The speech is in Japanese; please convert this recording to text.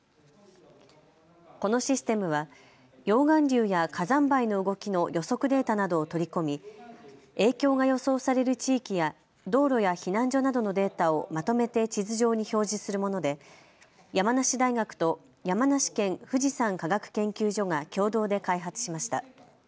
このシステムは溶岩流や火山灰の動きの予測データなどを取り込み影響が予想される地域や道路や避難所などのデータをまとめて地図上に表示するもので山梨大学と山梨県富士山科学研究所が共同で開発しました。